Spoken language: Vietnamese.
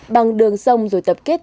bằng đường sông rồi tập kết